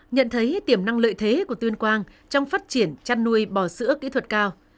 nhận thấy tiềm năng lợi thế của tuyên quang trong phát triển chăn nuôi bò sữa kỹ thuật cao